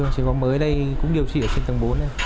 chỉ có mới đây cũng điều trị ở trên tầng bốn